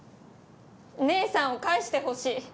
姉さんを返してほしい。